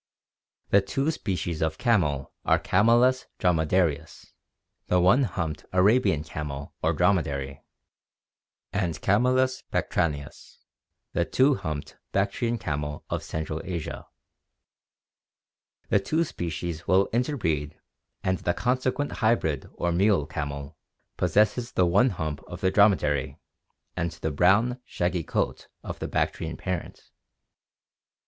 The two species of camel are Camelus dromcdarius, the one humped Arabian camel or dromedary, and C. bactrianus, the two humped Bactrian camel of central Asia. The two species will interbreed and the consequent hybrid or mule camel possesses the one hump of the dromedary and the brown shaggy coat of the Bactrian parent.